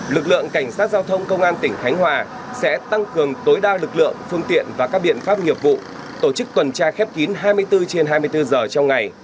lực lượng cảnh sát giao thông công an tỉnh khánh hòa sẽ tăng cường tối đa lực lượng phương tiện và các biện pháp nghiệp vụ tổ chức tuần tra khép kín hai mươi bốn trên hai mươi bốn giờ trong ngày